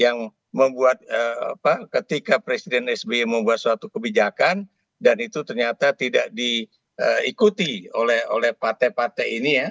yang membuat ketika presiden sby membuat suatu kebijakan dan itu ternyata tidak diikuti oleh partai partai ini ya